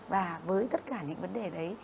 và với tất cả những vấn đề đấy